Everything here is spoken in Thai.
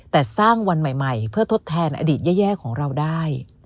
แต่สร้างวันใหม่เพื่อทดแทนอดีตแย่ของเราได้